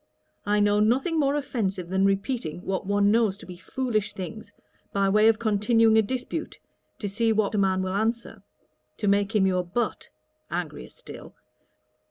I know nothing more offensive than repeating what one knows to be foolish things, by way of continuing a dispute, to see what a man will answer, to make him your butt!' (angrier still.)